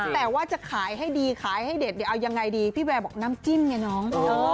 แต่ว่าจะขายให้ดีขายให้เด็ดเนี่ยเอายังไงดีพี่แวร์บอกน้ำจิ้มไงน้อง